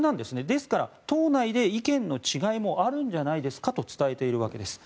ですから党内で意見の違いもあるんじゃないですかと伝えているんです。